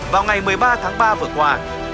vào ngày một mươi ba tháng ba vừa qua